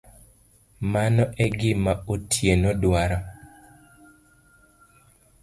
Mano e gima Otieno dwaro.